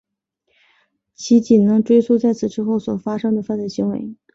其仅能追诉在此之后所发生的犯罪行为。